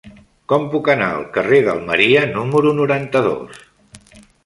Com puc anar al carrer d'Almeria número noranta-dos?